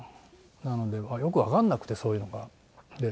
なのでよくわかんなくてそういうのが。